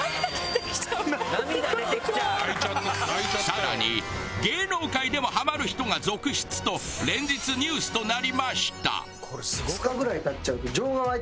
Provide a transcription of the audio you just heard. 更に芸能界でもハマる人が続出と連日ニュースとなりました。